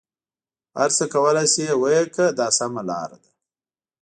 هر څه کولای شې ویې کړه دا سمه لاره ده.